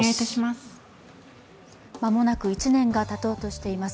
間もなく１年がたとうとしています。